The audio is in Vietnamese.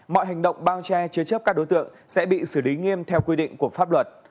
mọi hành động bao che chứa chấp các đối tượng sẽ bị xử lý nghiêm theo quy định của pháp luật